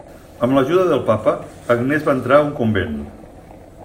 Amb l'ajuda del papa, Agnès va entrar a un convent.